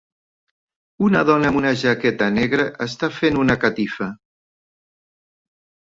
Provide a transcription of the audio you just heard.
Una dona amb una jaqueta negra està fent una catifa